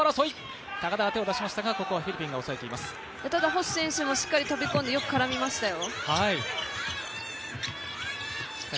星選手もしっかり飛び込んで、よく絡みましたね。